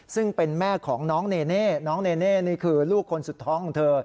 ซึ่งเป็นแม่ของน้องเนเน่น้องเนเน่นี่คือลูกคนสุดท้องของเธอ